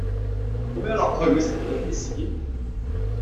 咁樣落去會食到幾時